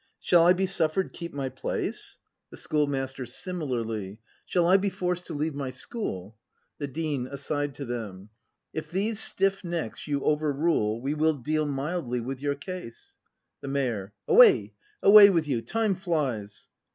] Shall I be suffer'd keep my place.'' 278 BRAND [act v The Schoolmaster. [Similarly.] Shall I be forced to leave my school ? The Dean. [Aside to tJiem.] If these stiff necks you overrule We will deal mildly with your case. The Mayor. Away — away with you! time flies!